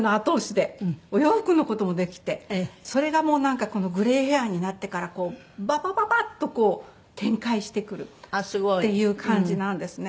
それがなんかこのグレーヘアになってからババババッとこう展開してくるっていう感じなんですね。